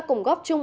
cùng góp chung